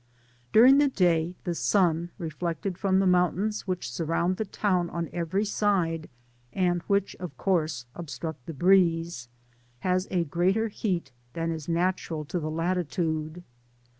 During the day, the sun, reflected from the mountains which surround the town on every side, and which, of course, obstruct the breeze, has a greater heat than is natural to the latitude.